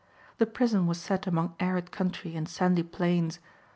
The prison was set among arid country in sandy plains.